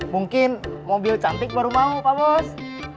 mungkin mobil cantik baru mau pak bos